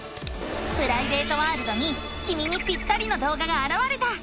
プライベートワールドにきみにぴったりの動画があらわれた！